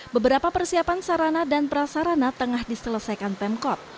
beberapa persiapan sarana dan prasarana tengah diselesaikan pemkot